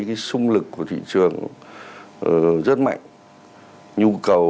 cái sung lực của thị trường rất mạnh